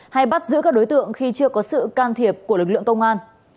hay bắt giữ các đối tượng khi chưa có sự can thiệp của lực lượng công an